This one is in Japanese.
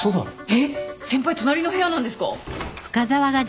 えっ先輩隣の部屋なんですか？